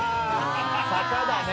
坂だね。